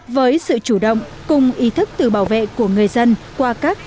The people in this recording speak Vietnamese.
với sự chủ động cùng ý thức tự bảo vệ của người dân qua các